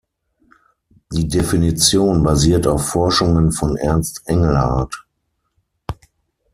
Die Definition basiert auf Forschungen von Ernst Engelhard.